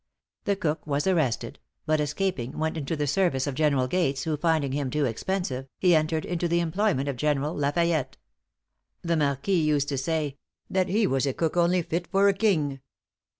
The cook was arrested; but escaping, went into the service of General Gates, who finding him too expensive, he entered into the employment of General La Fayette. The Marquis used to say, "that he was a cook only fit for a king."